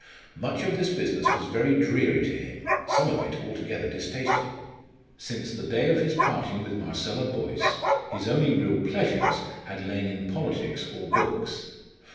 Much of this business was very dreary to him, some of it altogether distasteful. Since the day of his parting with Marcella Boyce his only real pleasures had lain in politics or books.